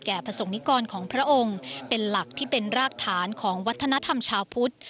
ประสงค์นิกรของพระองค์เป็นหลักที่เป็นรากฐานของวัฒนธรรมชาวพุทธ